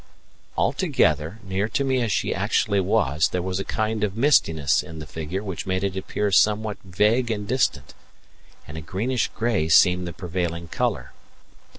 All together, near to me as she actually was, there was a kind of mistiness in the figure which made it appear somewhat vague and distant, and a greenish grey seemed the prevailing colour.